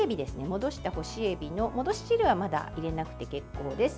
戻した干しエビの戻し汁はまだ入れなくて結構です。